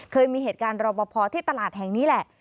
เคยมีเหตุการณ์รอปภที่ตลาดแห่งนี้แหละ